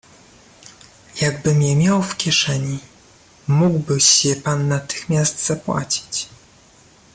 "Jakbym je miał w kieszeni; mógłbyś je pan natychmiast zapłacić."